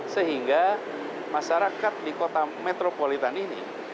sehingga masyarakat di kota metropolitan ini